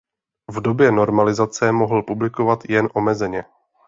V době normalizace mohl publikovat jen omezeně.